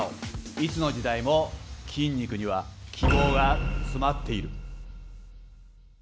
いつの時代も筋肉には希望がつまっている。